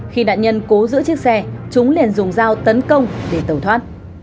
khi nạn nhân cố giữ chiếc xe chúng liền dùng dao tấn công để tẩu thoát